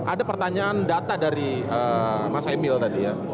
ada pertanyaan data dari mas emil tadi ya